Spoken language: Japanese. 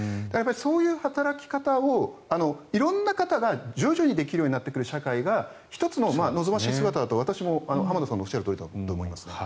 そういう働き方を色んな方が徐々にできるようになってくる社会が１つの望ましい姿だと私も浜田さんのおっしゃるとおりだと思いますね。